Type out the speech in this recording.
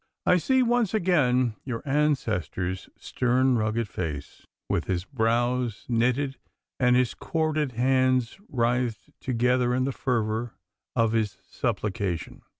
I see once again your ancestor's stern, rugged face, with his brows knitted and his corded hands writhed together in the fervour of his supplication.